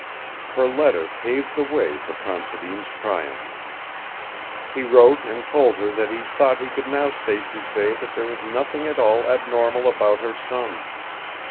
Her letter paved the way for Considine's triumph. He wrote and told her that he thought he could now safely say that there was nothing at all abnormal about her son.